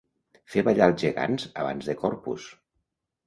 Fer ballar els gegants abans de Corpus.